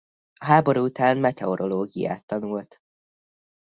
A háború után meteorológiát tanult.